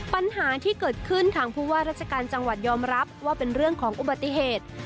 ปัญหาที่เกิดขึ้นทางผู้ว่าราชการจังหวัดยอมรับว่าเป็นเรื่องของอุบัติเหตุ